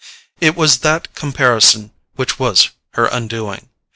It was that comparison which was her undoing.